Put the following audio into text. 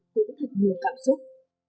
cũng thật nhiều cảm xúc